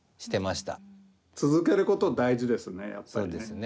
続けること大事ですねやっぱりね。